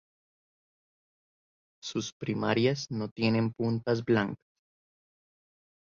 Sus primarias no tienen puntas blancas.